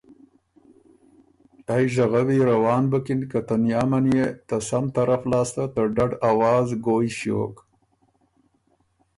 ائ ژغوي روان بُکِن که تنیامه نيې ته سم طرف لاسته ته ډډ اواز ګویٛ ݭیوک۔